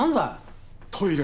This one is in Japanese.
トイレ！